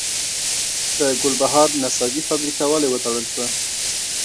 د ګلبهار نساجي فابریکه ولې وتړل شوه؟